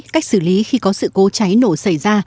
cách xử lý khi có sự cố cháy nổ xảy ra